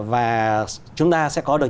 và chúng ta sẽ có được